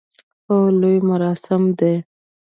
هو، لوی مراسم دی